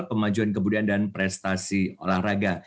pemajuan kebudayaan dan prestasi olahraga